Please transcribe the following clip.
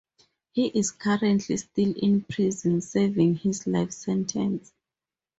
He is currently still in prison serving his life sentence.